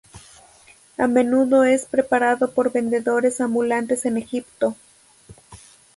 A menudo es preparado por vendedores ambulantes en Egipto.